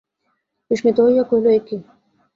বিস্মিত হইয়া কহিল, এ কী?